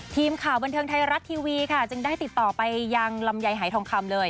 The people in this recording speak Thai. ทีมข่าวบันเทิงไทยรัฐทีวีค่ะจึงได้ติดต่อไปยังลำไยหายทองคำเลย